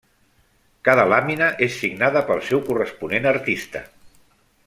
Cada làmina és signada pel seu corresponent artista.